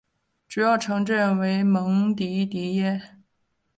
主要城镇为蒙迪迪耶。